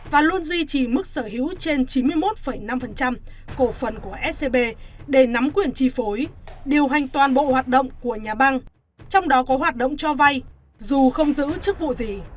và luôn duy trì mức sở hữu trên chín mươi một năm cổ phần của scb để nắm quyền chi phối điều hành toàn bộ hoạt động của nhà băng trong đó có hoạt động cho vay dù không giữ chức vụ gì